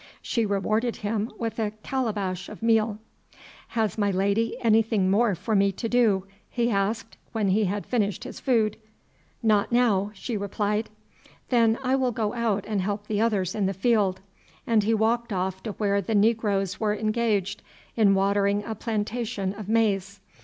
She rewarded him with a calabash of meal. "Has my lady anything more for me to do?" he asked when he had finished his food. "Not now," she replied. "Then I will go out and help the others in the field;" and he walked off to where the negroes were engaged in watering a plantation of maize.